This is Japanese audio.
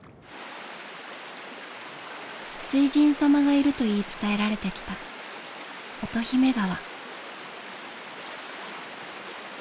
水神様がいると言い伝えられてきた乙姫川。